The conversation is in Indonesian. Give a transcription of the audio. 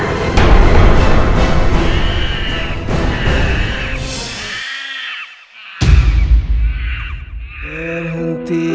sekarang anak kita berkorban buat kita